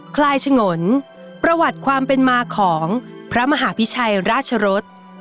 คลายฉงนประวัติความเป็นมาของพระมหาพิชัยราชรส